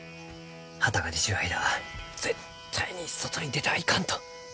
旗が出ちゅう間は絶対に外に出てはいかんと。